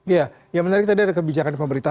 ya yang menarik tadi ada kebijakan pemerintah